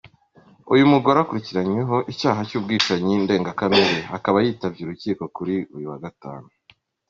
Uyu mugore akurikiranweho icyaha cy’ubwicanyi ndengakamere, akaba yitabye urukiko kuri uyu wa Gatanu.